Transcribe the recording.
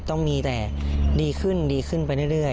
ต้องมีแต่ดีขึ้นดีขึ้นไปเรื่อย